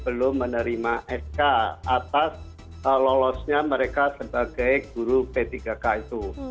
belum menerima sk atas lolosnya mereka sebagai guru p tiga k itu